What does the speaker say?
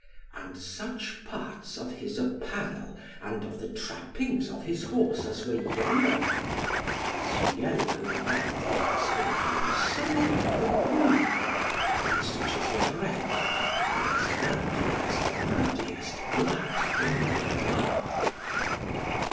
And such parts of his apparel and of the trappings of his horse as were yellow, as yellow were they as the blossom of the broom, and such as were red, were as ruddy as the ruddiest blood in the world.